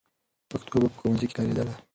پښتو به په ښوونځي کې کارېدله.